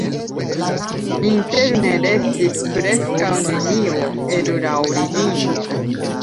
Interne restis preskaŭ nenio el la origino.